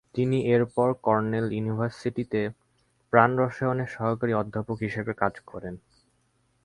তিনি এরপর কর্নেল ইউনিভার্সিটিতে প্রাণরসায়নের সহকারী অধ্যাপক হিসেবে কাজ করেন।